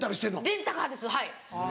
レンタカーですはい。